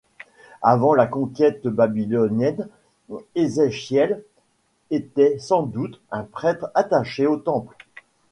Avant la conquête babylonienne, Ézéchiel était sans doute un prêtre attaché au temple.